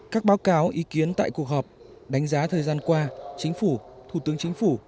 các báo cáo ý kiến tại cuộc họp đánh giá thời gian qua chính phủ thủ tướng chính phủ